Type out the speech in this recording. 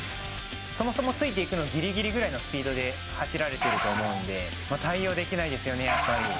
そもそもついていくのぎりぎりぐらいのスピードで走られてると思うんで、対応できないですよね、やっぱり。